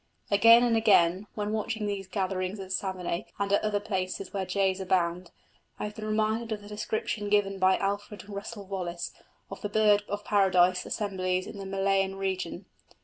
Again and again, when watching these gatherings at Savernake and at other places where jays abound, I have been reminded of the description given by Alfred Russel Wallace of the bird of paradise assemblies in the Malayan region.